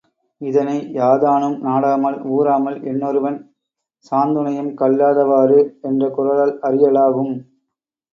இதனை, யாதானும் நாடாமல் ஊராமல் என்னொருவன் சாந்துணையும் கல்லாத வாறு என்ற குறளால் அறியலாகும்.